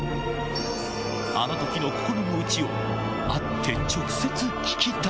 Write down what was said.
あのときの心の内を会って直接聞きたい。